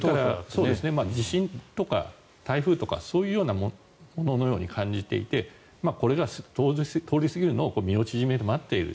地震とか台風とかそういうもののように感じていてこれが通り過ぎるのを身を縮めて待っている。